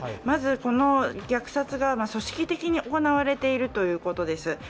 まずこの虐殺が組織的に行われているということです。